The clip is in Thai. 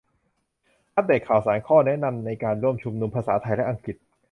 อัปเดตข่าวสาร ข้อแนะนำในการร่วมชุมนุม - ภาษาไทยและอังกฤษ